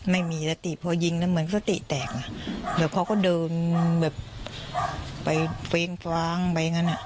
ไม่มีสติเพราะยิงแล้วเหมือนสติแตกแบบเขาก็เดินแบบไปเฟรงฟังไปอย่างนั้น